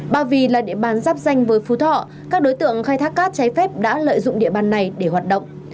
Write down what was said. ba vì là địa bàn giáp danh với phú thọ các đối tượng khai thác cát cháy phép đã lợi dụng địa bàn này để hoạt động